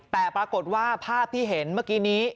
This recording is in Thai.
แต่ปรากฏว่าภาพที่เห็นเมื่อกี้นี้